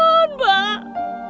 maafkan suami saya pak